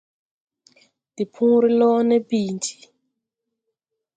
De pööre loone bi ti.